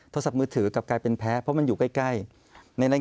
โทรศัพท์มือถือกลับกลายเป็นแพ้เพราะมันอยู่ใกล้